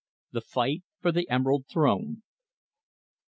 THE FIGHT FOR THE EMERALD THRONE.